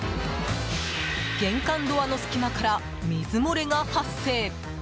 玄関ドアの隙間から水漏れが発生。